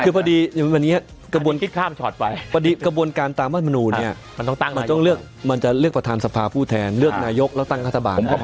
คือพอดีกับวนการตามบ้านบนูนี้มันต้องเลือกประธานสภาผู้แทนเลือกนายกและตั้งรัฐบาล